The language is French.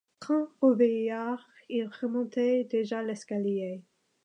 Quant au vieillard, il remontait déjà l’escalier.